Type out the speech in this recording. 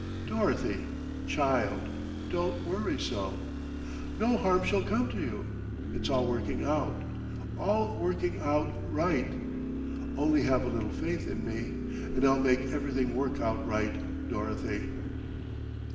"Dorothy, child, don't worry so. No harm shall come to you. It's all working out all working out right. Only have a little faith in me, and I'll make everything work out right, Dorothy."